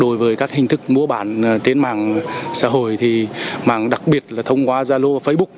đối với các hình thức mua bán trên mạng xã hội thì mạng đặc biệt là thông qua zalo facebook